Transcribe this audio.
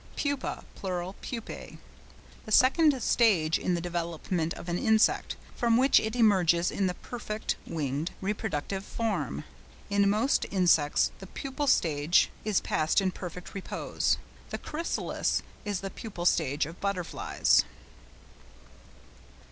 PUPA (pl. PUPÆ).—The second stage in the development of an insect, from which it emerges in the perfect (winged) reproductive form. In most insects the pupal stage is passed in perfect repose. The chrysalis is the pupal state of butterflies.